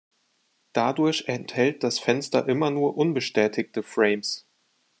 Dadurch enthält das Fenster immer nur unbestätigte Frames.